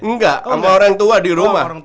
enggak sama orang tua di rumah